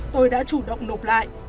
tôi đã chủ động nộp lại